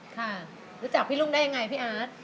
ค่ะรู้จักพี่รุ่งได้ยังไงพี่อาร์ต